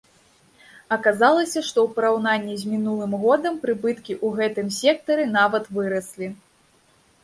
Аказалася, што ў параўнанні з мінулым годам прыбыткі ў гэтым сектары нават выраслі.